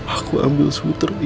aku ambil sweater ini